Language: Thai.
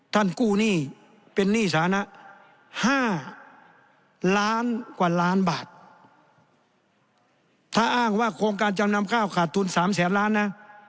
กู้หนี้เป็นหนี้สานะห้าล้านกว่าล้านบาทถ้าอ้างว่าโครงการจำนำข้าวขาดทุนสามแสนล้านนะ